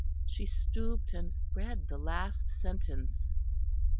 She stooped and read the last sentence.